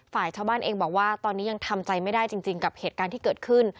ฝ่ายชาวบ้านเองบอกว่าตอนนี้ยังทำใจไม่ได้จริงกับเหตุการณ์ที่เกิดขึ้น